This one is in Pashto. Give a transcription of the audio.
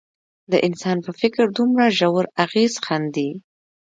د انسان په فکر دومره ژور اغېز ښندي.